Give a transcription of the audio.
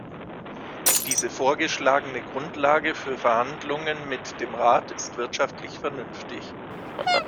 Diese vorgeschlagene Grundlage für Verhandlungen mit dem Rat ist wirtschaftlich vernünftig.